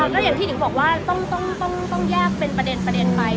แล้วอย่างที่หิวบอกว่าต้องแยกเป็นประเด็นไป